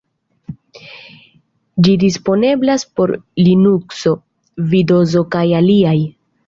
Ĝi disponeblas por Linukso, Vindozo kaj aliaj.